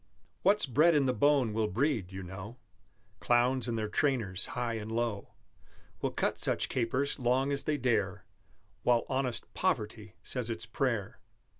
What's bred in the bone will breed, you know; Clowns and their trainers, high and low, Will cut such capers, long as they dare, While honest Poverty says its prayer.